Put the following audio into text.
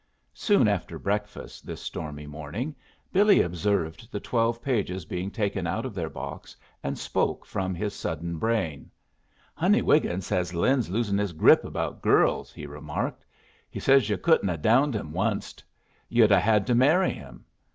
Soon after breakfast this stormy morning Billy observed the twelve pages being taken out of their box, and spoke from his sudden brain. "Honey Wiggin says Lin's losing his grip about girls," he remarked. "He says you couldn't 'a' downed him onced. You'd 'a' had to marry him.